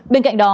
bên cạnh đó